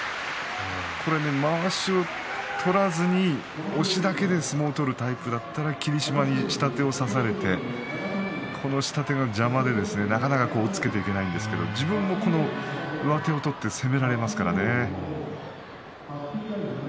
まわしを取らずに押しだけで相撲を取るタイプだったら霧島に下手を差されてこの下手が邪魔でなかなか押っつけていけないんですけれど自分も上手を取って攻められますからね。